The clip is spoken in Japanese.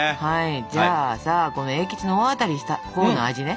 じゃあさこの栄吉の大当たりしたほうの味ね。